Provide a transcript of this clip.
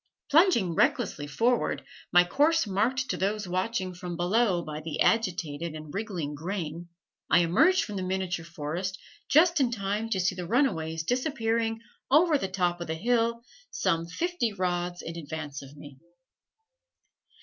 Plunging recklessly forward, my course marked to those watching from below by the agitated and wriggling grain, I emerged from the miniature forest just in time to see the runaways disappearing over the top of the hill, some fifty rods in advance of me.